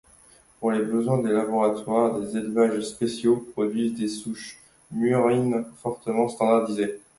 Pour les besoins des laboratoires, des élevages spéciaux, produisent des souches murines fortement standardisées.